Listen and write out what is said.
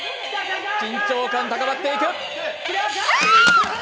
緊張感高まっていく。